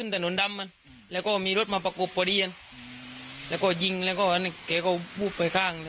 ผมไม่ทราบจริงนะผม